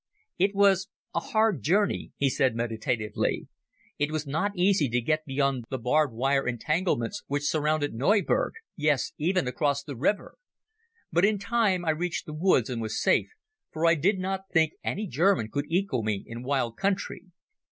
"It was a hard journey," he said meditatively. "It was not easy to get beyond the barbed wire entanglements which surrounded Neuburg—yes, even across the river. But in time I reached the woods and was safe, for I did not think any German could equal me in wild country.